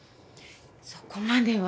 そこまでは。